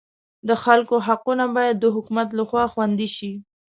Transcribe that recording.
د خلکو حقونه باید د حکومت لخوا خوندي شي.